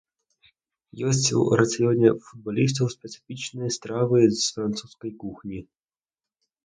Ёсць у рацыёне футбалістаў спецыфічныя стравы з французскай кухні.